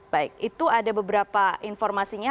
baik itu ada beberapa informasinya